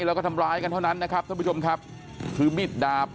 แล้วก็ทำร้ายกันเท่านั้นนะครับท่านผู้ชมครับคือมิดดาบ